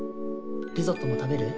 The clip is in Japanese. リゾットも食べる？